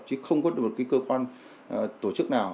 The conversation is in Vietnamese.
chứ không có được một cái cơ quan tổ chức nào